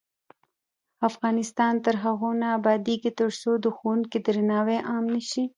افغانستان تر هغو نه ابادیږي، ترڅو د ښوونکي درناوی عام نشي.